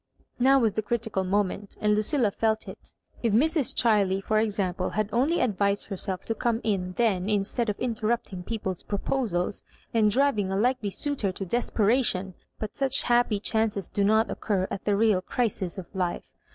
Now was the critical moment, and Lucilla fek it. If Mrs. Chiley, for example, had only advised herself to come in then instead of interrupting people's proposals, and driving a likely suitor to desperation I But such happy chances do not occur at the real crises of iifo.